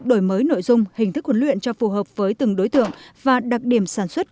đổi mới nội dung hình thức huấn luyện cho phù hợp với từng đối tượng và đặc điểm sản xuất